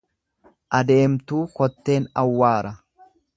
Adeemtuu kotteen awwaara.